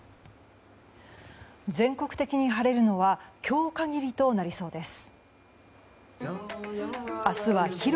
全国的に晴れるのは今日限りとなりそうです。